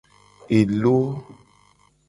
Elo.